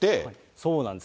そうなんです。